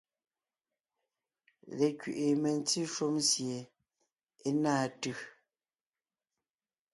Lekẅiʼi mentí shúm sie é náa tʉ̀.